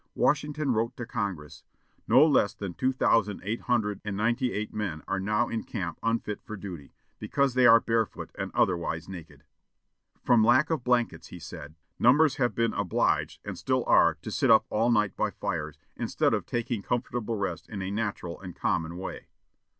Washington wrote to Congress: "No less than two thousand eight hundred and ninety eight men are now in camp unfit for duty, because they are barefoot and otherwise naked." From lack of blankets, he said, "numbers have been obliged, and still are, to sit up all night by fires, instead of taking comfortable rest in a natural and common way."